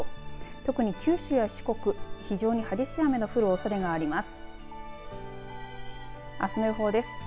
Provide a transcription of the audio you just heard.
特に九州や四国非常に激しい雨の降るおそれがあります。